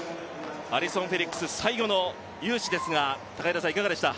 アリソン・フェリックス最後の雄姿ですがいかがでした？